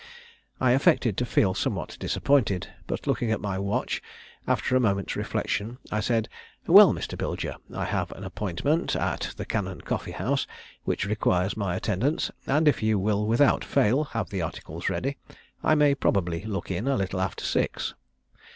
I affected to feel somewhat disappointed, but looking at my watch, after a moment's reflection, I said, 'Well, Mr. Bilger, I have an appointment at the Cannon Coffee house, which requires my attendance, and if you will without fail have the articles ready, I may probably look in a little after six.'